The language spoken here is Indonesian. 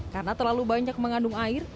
karena terlalu banyak mengandung air